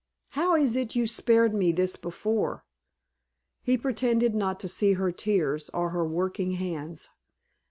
"How is it you spared me this before?" He pretended not to see her tears, or her working hands.